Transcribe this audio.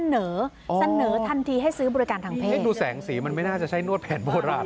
เสนอเสนอทันทีให้ซื้อบริการทางเพศดูแสงสีมันไม่น่าจะใช่นวดแผนโบราณ